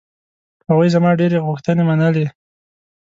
هغوی زما ډېرې غوښتنې منلې.